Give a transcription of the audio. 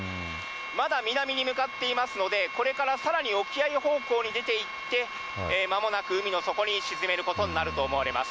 まだ南に向かっていますので、これからさらに沖合方向に出ていって、まもなく海の底に沈めることになると思われます。